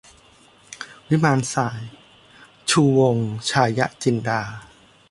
วิมานทราย - ชูวงศ์ ฉายะจินดา